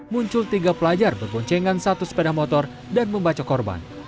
muncul tiga pelajar berboncengan satu sepeda motor dan membaco korban